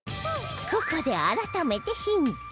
ここで改めてヒント